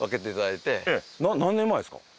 何年前ですか？